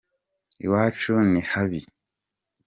iwacu nihabi